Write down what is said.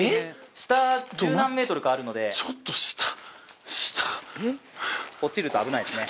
下十何メートルかあるのでちょっと下下落ちると危ないですね